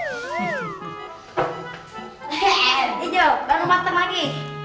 oke hijau baru matang lagi